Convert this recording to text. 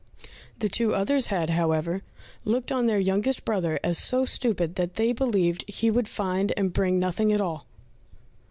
The two others had, however, looked on their youngest brother as so stupid that they believed he would find and bring nothing at all.